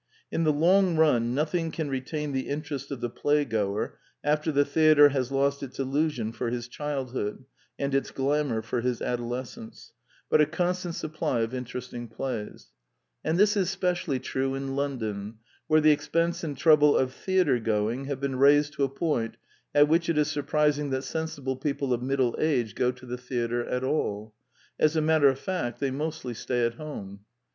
In the long run nothing can retain the interest of the playgoer after the theatre has lost its illusion for his childhood, and its glamor for his adolescence, but a constant The Technical Novelty 217 supply of interesting plays; and this is specially true in London, where the expense and trouble of theatregoing have been raised to a point at which it is surprising that sensible people of middle age go to the theatre at all. As a mat ter of fact, they mostly stay at home.